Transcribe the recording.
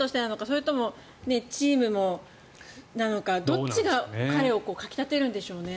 それともチームもなのかどっちが彼をかき立てるんでしょうね。